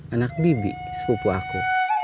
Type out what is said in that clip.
anak bibi sepupu aku